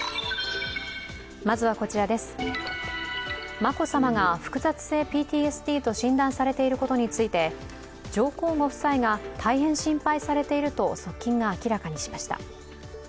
眞子さまが複雑性ＰＴＳＤと診断されていることについて上皇ご夫妻が大変心配されていると側近が明らかにしました。